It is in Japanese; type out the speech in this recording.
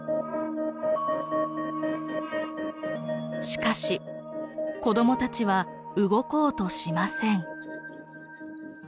しかし子どもたちは動こうとしません。